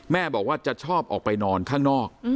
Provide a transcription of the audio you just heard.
แม่บอกว่าจะชอบออกไปนอนข้างนอก